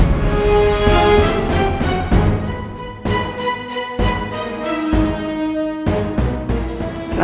ada alasan kenapa